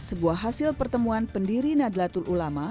sebuah hasil pertemuan pendiri nadlatul ulama